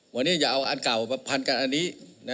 วันนี้อย่าเอาอันเก่ามาพันกันอันนี้